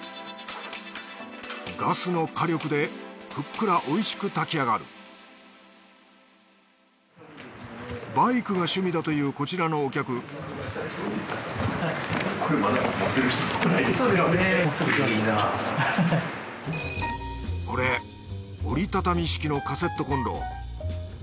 ガスの火力でふっくらおいしく炊きあがるバイクが趣味だというこちらのお客これ折り畳み式のカセットこんろ。